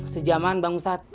sejaman bang ustad